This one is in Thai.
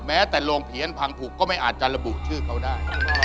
แม้แต่โรงเพี้ยนพังผูกก็ไม่อาจจะระบุชื่อเขาได้